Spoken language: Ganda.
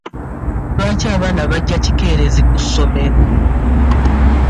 Lwaki abaana bajja kikeerezi ku ssomero?